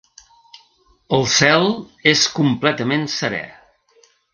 El cel és completament serè.